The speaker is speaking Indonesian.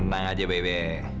tenang aja bebe